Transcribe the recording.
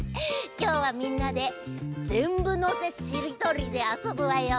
きょうはみんなで「ぜんぶのせしりとり」であそぶわよ。